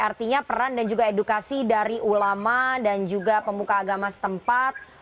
artinya peran dan juga edukasi dari ulama dan juga pemuka agama setempat